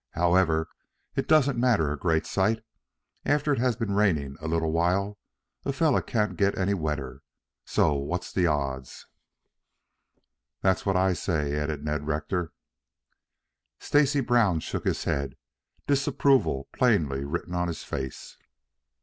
However, it doesn't matter a great sight. After it has been raining a little while a fellow can't get any wetter, so what's the odds?" "That's what I say," added Ned Rector. Stacy Brown shook his head, disapproval plainly written on his face.